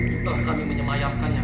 setelah kami menyemayangkannya